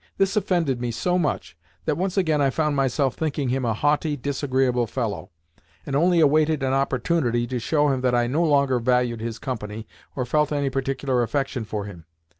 This offended me so much that once again I found myself thinking him a haughty, disagreeable fellow, and only awaited an opportunity to show him that I no longer valued his company or felt any particular affection for him.